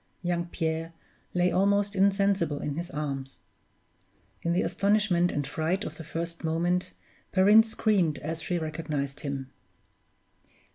Young Pierre lay almost insensible in his arms. In the astonishment and fright of the first moment, Perrine screamed as she recognized him.